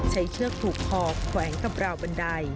เชือกผูกคอแขวงกับราวบันได